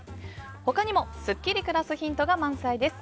他にも、すっきり暮らすヒントが満載です。